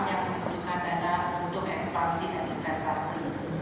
yang membutuhkan dana untuk ekspansi dan investasi